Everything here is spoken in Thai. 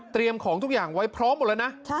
ของทุกอย่างไว้พร้อมหมดแล้วนะ